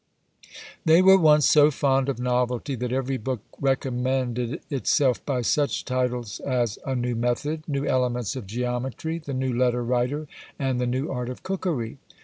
They were once so fond of novelty, that every book recommended itself by such titles as "A new Method; new Elements of Geometry; the new Letter Writer, and the new Art of Cookery."